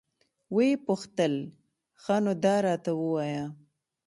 ويې پوښتل ښه نو دا راته ووايه.